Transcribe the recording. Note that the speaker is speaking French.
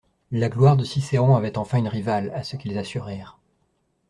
La gloire de Cicéron avait enfin une rivale, à ce qu'ils assurèrent.